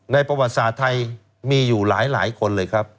ประวัติศาสตร์ไทยมีอยู่หลายคนเลยครับ